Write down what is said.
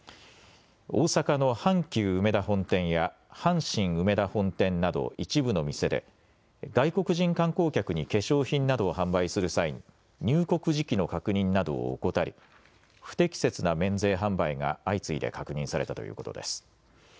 大阪の阪急うめだ本店や阪神梅田本店など、一部の店で外国人観光客に化粧品などを販売する際に入国時期の確認などを怠り不適切な免税販売などが相次いで確認されたということです。